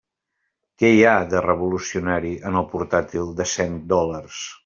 Què hi ha de revolucionari en el portàtil de cent dòlars?